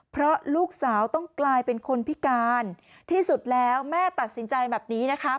เพราะลูกสาวต้องกลายเป็นคนพิการที่สุดแล้วแม่ตัดสินใจแบบนี้นะคะ